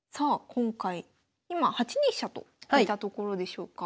今回今８二飛車と引いたところでしょうか。